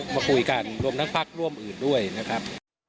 มาคุยกันรวมทั้งพักร่วมอื่นด้วยนะครับ